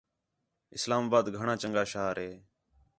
اِسلام آباد گھݨاں چَنڳا شہر ہے